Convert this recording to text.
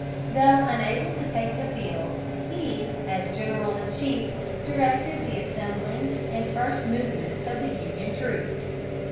Though unable to take the field, he as general in chief directed the assembling and first movements of the Union troops.